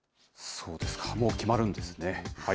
そうですか、もう決まるんですね。